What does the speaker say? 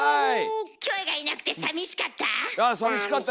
キョエがいなくてさみしかった？